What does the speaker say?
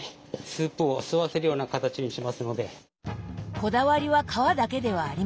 こだわりは皮だけではありません。